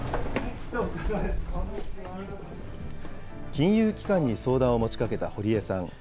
金融機関に相談を持ちかけた堀江さん。